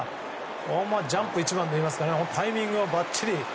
ジャンプ一番といいますかタイミングもばっちり。